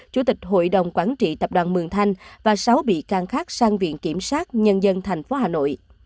chủ tịch hội đồng quản trị tập đoàn mường thanh và sáu bị can khác sang viện kiểm sát nhân dân tp hà nội